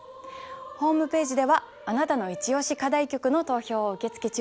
ホームページではあなたのイチオシ課題曲の投票を受け付け中です。